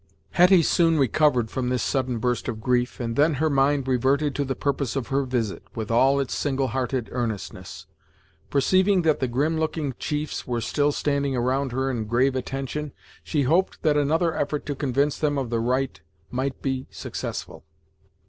Hetty soon recovered from this sudden burst of grief, and then her mind reverted to the purpose of her visit, with all its single hearted earnestness. Perceiving that the grim looking chiefs were still standing around her in grave attention, she hoped that another effort to convince them of the right might be successful.